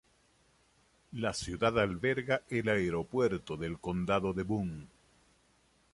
La ciudad alberga el Aeropuerto del Condado de Boone.